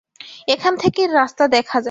এখান থেকে রাস্তা দেখা যায়।